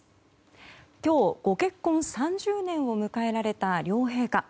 今日、ご結婚３０年を迎えられた両陛下。